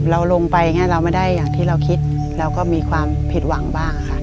เราลงไปแม่ง่ะเราไม่ได้กับที่เราคิดแล้วก็มีความผิดหวังบ้างค่ะ